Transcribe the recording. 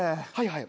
はい？